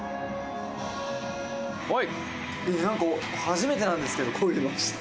「初めてなんですけどこういうの」